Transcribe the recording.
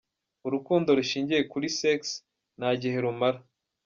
Urukundo rushingiye kuli sex nta gihe rumara.